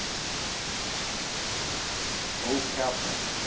O Captain!